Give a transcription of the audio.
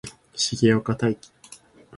重岡大毅